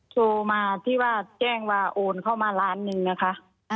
โทรมาที่ว่าแจ้งว่าโอนเข้ามาล้านหนึ่งนะคะ